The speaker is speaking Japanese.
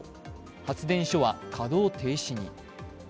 発電所は稼働停止に。